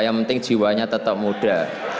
yang penting jiwanya tetap muda